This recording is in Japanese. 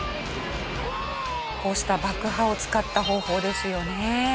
こうした爆破を使った方法ですよね。